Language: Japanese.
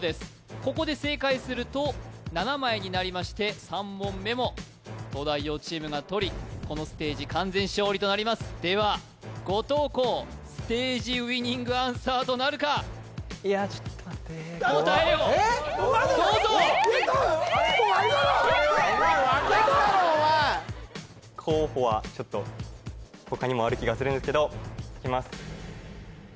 ここで正解すると７枚になりまして３問目も東大王チームがとりこのステージ完全勝利となりますでは後藤弘ステージウイニングアンサーとなるかいやちょっと待って怖っ答えをどうぞお前分かんだろうお前候補はちょっと他にもある気がするんですけどいきます